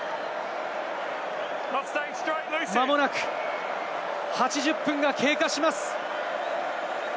間もなく、８０分が経過します。